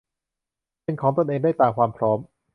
เป็นของตนเองได้ตามความพร้อม